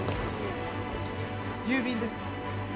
郵便です。